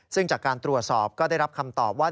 ซึ่งจากการตรวจสอบก็ได้รับคำตอบว่า